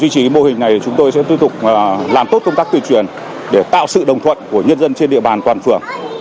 chúng tôi sẽ tiếp tục làm tốt công tác tuyển truyền để tạo sự đồng thuận của nhân dân trên địa bàn toàn phường